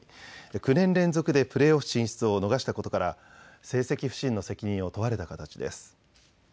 ９年連続でプレーオフ進出を逃したことから成績不振の責任を問われた形です。